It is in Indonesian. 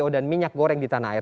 cpo dan minyak goreng di tanah air